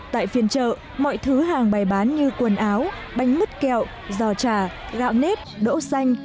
tại phiên chợ mọi thứ hàng bày bán như quần áo bánh mứt kẹo giò trà gạo nếp đỗ xanh